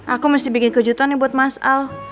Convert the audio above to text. aku mesti bikin kejutan nih buat mas al